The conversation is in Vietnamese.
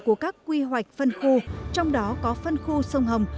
của các quy hoạch phân khu trong đó có phân khu sông hồng